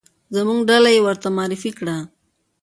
زموږ ډله یې ورته معرفي کړه.